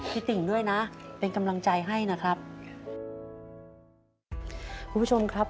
พี่ติ๋งด้วยนะเป็นกำลังใจให้นะครับ